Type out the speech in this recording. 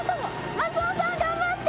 松尾さん頑張って！